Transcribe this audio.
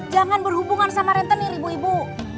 jangan berhubungan sama rentenir ibu ibu